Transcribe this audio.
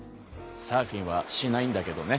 サーフィンはしないんだけどね。